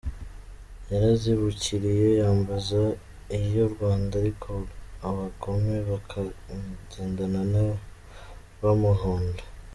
Yarazibukiriye, yambaza iy’I Rwanda ariko abagome bakagendana bamuhonda.